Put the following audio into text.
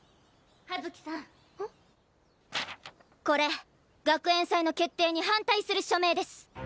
これ学園祭の決定に反対する署名です。